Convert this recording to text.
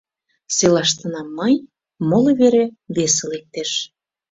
Селаштына — мый, моло вере весе лектеш...